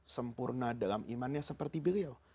sempurna dalam imannya seperti beliau